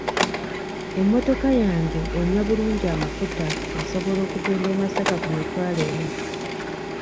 Emmotoka yange enywa bulungi amafuta osobola okugenda e Masaka ku mitwalo ena.